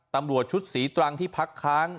ตำรวจชุดศรีตรังที่พักค้าง